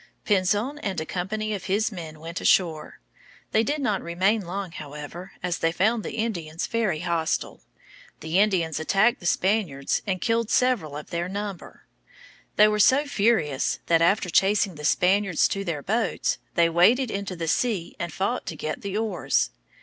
Pinzon and a company of his men went ashore. They did not remain long, however, as they found the Indians very hostile. The Indians attacked the Spaniards and killed several of their number. They were so furious that, after chasing the Spaniards to their boats, they waded into the sea and fought to get the oars.